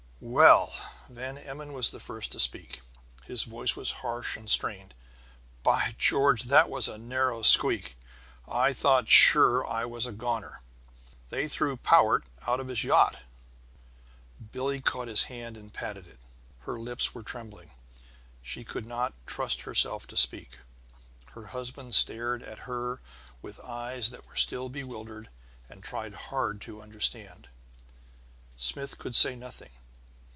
"Well!" Van Emmon was the first to speak. His voice was harsh and strained. "By George, that was a narrow squeak! I thought sure I was a goner! They threw Powart out of his yacht!" Billie caught his hand and patted it. Her lips were trembling; she could not trust herself to speak. Her husband stared at her with eyes that were still bewildered and tried hard to understand. Smith could say nothing.